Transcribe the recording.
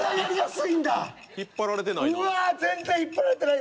引っ張られてないな。